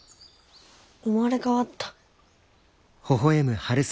生まれ変わった。